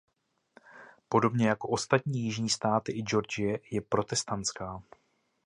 Podobně jako ostatní jižní státy i Georgie je protestantská.